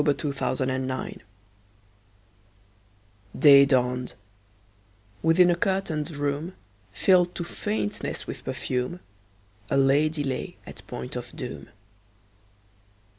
Y Z History of a Life DAY dawned: within a curtained room, Filled to faintness with perfume, A lady lay at point of doom.